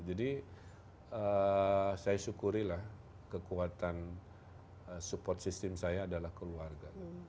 jadi saya syukurilah kekuatan support system saya adalah keluarga